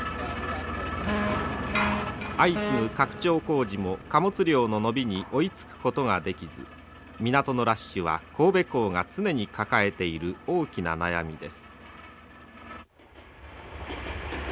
相次ぐ拡張工事も貨物量の伸びに追いつくことができず港のラッシュは神戸港が常に抱えている大きな悩みです。